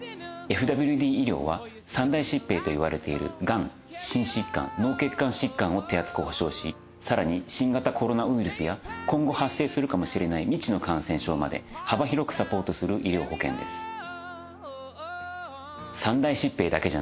ＦＷＤ医療は３大疾病といわれているがん・心疾患・脳血管疾患を手厚く保障し更に新型コロナウイルスや今後発生するかもしれない未知の感染症まで幅広くサポートする医療保険です。